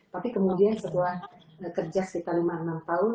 tapi kemudian setelah kerja sekitar lima enam tahun